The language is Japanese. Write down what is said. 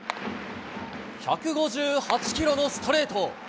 １５８キロのストレート。